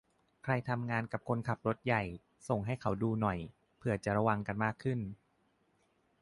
ใครทำงานกับคนขับรถใหญ่ ส่งให้เขาดูหน่อย เผื่อจะระวังกันมากขึ้น